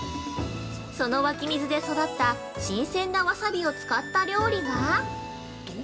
その湧き水で育った新鮮なわさびを使った料理が。